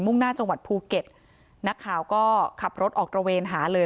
่งหน้าจังหวัดภูเก็ตนักข่าวก็ขับรถออกตระเวนหาเลย